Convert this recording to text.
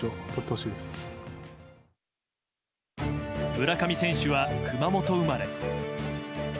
村上選手は熊本生まれ。